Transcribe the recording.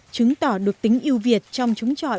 chứng tỏ được tính yêu việt trong chống chọn